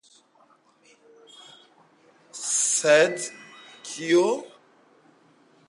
Sed kio?